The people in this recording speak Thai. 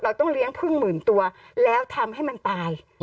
ต้องเลี้ยงพึ่งหมื่นตัวแล้วทำให้มันตาย